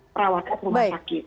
perawatan rumah sakit